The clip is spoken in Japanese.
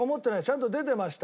ちゃんと出てました。